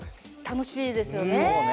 楽しいですよね。